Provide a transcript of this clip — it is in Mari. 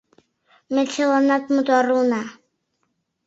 Ме чыланат мотор улына.